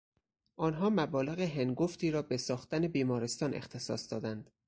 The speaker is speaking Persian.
آنها مبالغ هنگفتی را به ساختن بیمارستان اختصاص دادند.